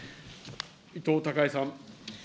伊藤孝恵さん。